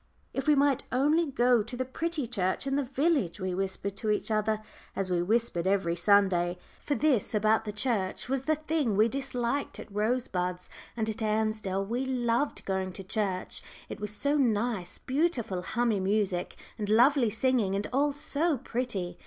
"If we might only go to the pretty church in the village!" we whispered to each other, as we whispered every Sunday. For this about the church was the thing we disliked at Rosebuds, and at Ansdell we loved going to church. It was so nice; beautiful hummy music and lovely singing, and all so pretty.